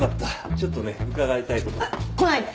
ちょっとね伺いたい事が。来ないで！